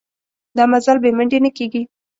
دا مزل بې منډې نه کېږي.